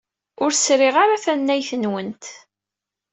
Ur sriɣ ara tannayt-nwent.